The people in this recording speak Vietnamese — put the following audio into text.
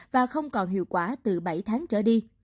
và không còn hiệu quả từ bảy tháng trở đi